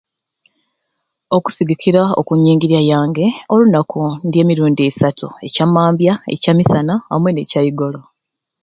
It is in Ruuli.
Okusigikira oku nyingirya yange olunaku ndya emirundi isatu. Ekya mambya, ekya misana amwe n'ekyaigolo.